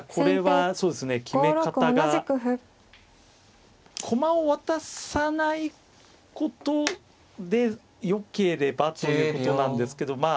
決め方が駒を渡さないことでよければということなんですけどま